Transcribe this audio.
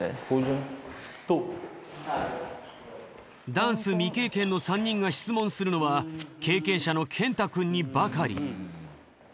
ダンス未経験の３人が質問するのは経験者の健太くんにばかり。